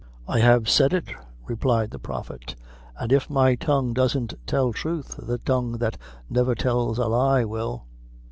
"I have said it," replied the prophet; "an' if my tongue doesn't tell truth, the tongue that never tells a lie will."